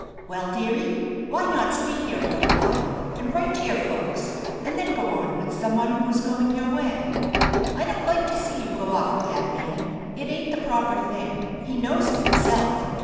"Well, dearie, why not stay here a little while, and write to your folks, and then go on with some one who is going your way? I don't like to see you go off with that man. It ain't the proper thing. He knows it himself.